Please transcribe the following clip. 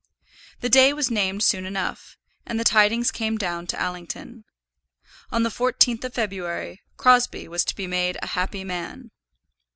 The day was named soon enough, and the tidings came down to Allington. On the fourteenth of February, Crosbie was to be made a happy man.